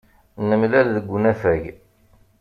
Nemlal deg unafag.